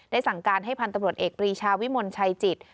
สั่งการให้พันธุ์ตำรวจเอกปรีชาวิมลชัยจิต